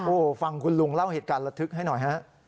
โอ้โหฟังคุณลุงเล่าเหตุการณ์ระทึกให้หน่อยฮะ